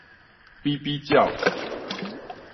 比比鳥